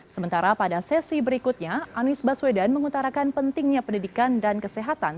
sementara pada sesi berikutnya anies baswedan mengutarakan pentingnya pendidikan dan kesehatan